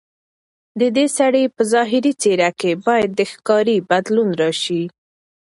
ددې سړي په ظاهري څېره کې باید د ښکاري بدلون راشي.